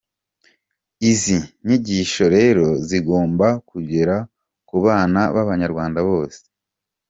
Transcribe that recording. Izi nyigisho rero zigomba kugera ku bana b’Abanyarwanda bose.